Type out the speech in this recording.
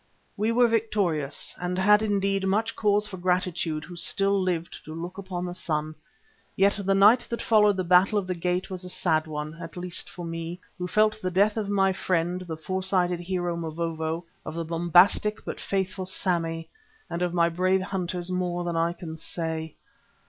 We were victorious, and had indeed much cause for gratitude who still lived to look upon the sun. Yet the night that followed the Battle of the Gate was a sad one, at least for me, who felt the death of my friend the foresighted hero, Mavovo, of the bombastic but faithful Sammy, and of my brave hunters more than I can say.